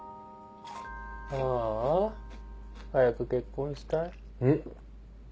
ああ早く結婚したい。